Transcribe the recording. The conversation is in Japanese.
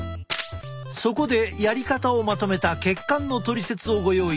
そこでやり方をまとめた血管のトリセツをご用意した。